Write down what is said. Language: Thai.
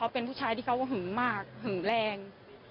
เป็นผู้ชายที่เขาหึงมากหึงแรง